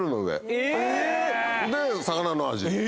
で魚の味。